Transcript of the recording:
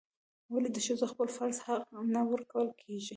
ولې د ښځو خپل فرض حق نه ورکول کیږي؟